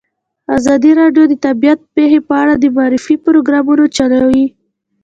ازادي راډیو د طبیعي پېښې په اړه د معارفې پروګرامونه چلولي.